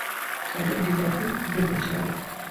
Чалавек без радзімы ‒ бедны чалавек